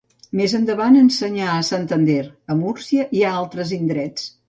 Més endavant ensenyà a Santander, a Múrcia i a altres indrets.